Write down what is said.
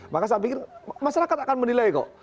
maka saya pikir masyarakat akan menilai kok